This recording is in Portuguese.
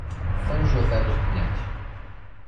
São José dos Pinhais